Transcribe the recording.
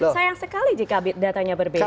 sayang sekali jika datanya berbeda